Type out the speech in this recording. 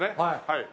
はい。